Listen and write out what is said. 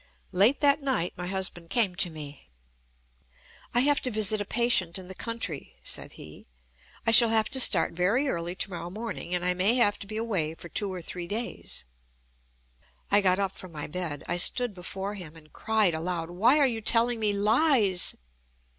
Late that night my husband came to me. "I have to visit a patient in the country," said he. "I shall have to start very early to morrow morning, and I may have to be away for two or three days." I got up from my bed. I stood before him, and cried aloud: "Why are you telling me lies?"